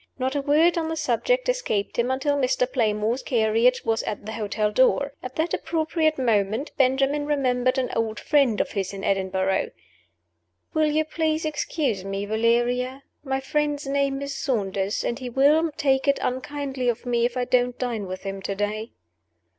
Not a word on the subject escaped him until Mr. Playmore's carriage was at the hotel door. At that appropriate moment Benjamin remembered an old friend of his in Edinburgh. "Will you please to excuse me, Valeria? My friend's name is Saunders; and he will take it unkindly of me if I don't dine with him to day."